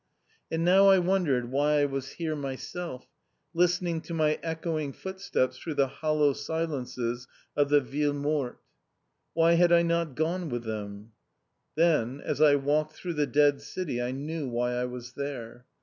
And now I wondered why I was here myself, listening to my echoing footsteps through the hollow silences of the "Ville Morte." Why had I not gone with the rest of them? Then, as I walked through the dead city I knew why I was there.